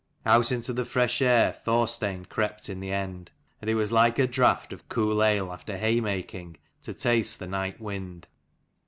Out into the fresh air Thorstein crept in the N 97 end : and it was like a draught of cool ale after haymaking to taste the night wind.